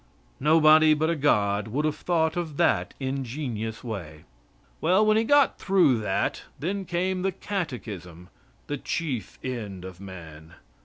Nobody but a God would have thought of that ingenious way. Well, when he got through that, then came the catechism the chief end of man.